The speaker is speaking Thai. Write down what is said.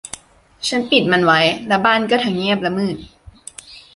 ฉันปิดมันไว้ และบ้านก็ทั้งเงียบและมืด